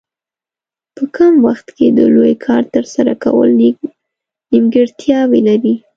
په کم وخت کې د لوی کار ترسره کول نیمګړتیاوې لري.